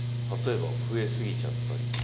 例えば増えすぎちゃったり。